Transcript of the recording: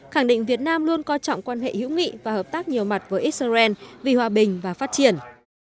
khẳng định việt nam luôn coi trọng quan hệ hữu nghị và hợp tác nhiều mặt với israel vì hòa bình và phát triển